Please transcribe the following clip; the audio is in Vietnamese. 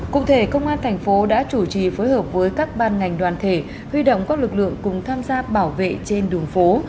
cụ thể công an thành phố đã chủ trì phối hợp với các ban ngành đoàn thể huy động các lực lượng cùng tham gia bảo vệ trên đường phố